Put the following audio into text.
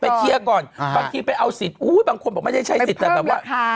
เคลียร์ก่อนบางทีไปเอาสิทธิ์บางคนบอกไม่ได้ใช้สิทธิ์แต่แบบว่า